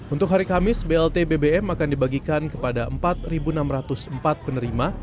untuk hari kamis blt bbm akan dibagikan kepada empat enam ratus empat penerima